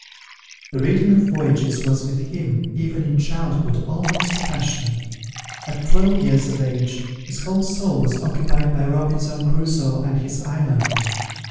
The reading of voyages was with him, even in childhood, almost a passion. At twelve years of age, his whole soul was occupied by Robinson Crusoe and his island.